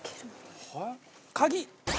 鍵！